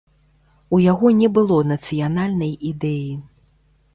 У яго не было нацыянальнай ідэі.